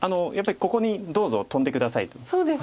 やっぱり「ここにどうぞトンで下さい」という。